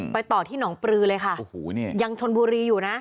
ไปต่อที่น้องปลือเลยค่ะยังชนบุรีอยู่นะ